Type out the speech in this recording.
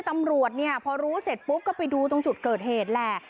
ตำรวจเนี่ยพอรู้เสร็จปุ๊บก็ไปดูตรงจุดเกิดเหตุแหละ